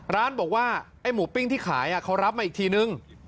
ร้านบอกว่าไอ้หมูปิ้งที่ขายเขารับมาอีกทีนึง